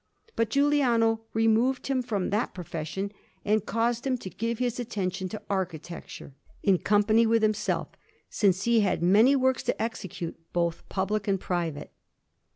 But Giuliano removed him from that profession and caused him to give his attention to architecture, in company with himself, since he had many works to execute, both public and private.